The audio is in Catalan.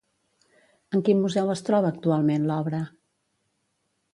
En quin museu es troba actualment l'obra?